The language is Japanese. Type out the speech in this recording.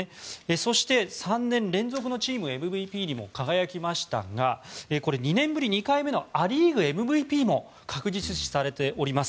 そして、３年連続のチームＭＶＰにも輝きましたがこれ、２年ぶり２回目のア・リーグＭＶＰも確実視されております。